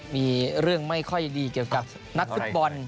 มีเรื่องไม่ค่อยดีเกี่ยวกับนักฟุตบอล